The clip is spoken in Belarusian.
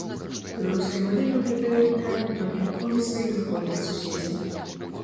Беларуская мадэль выглядае ўнікальнай толькі на фоне сваіх заходніх суседзяў.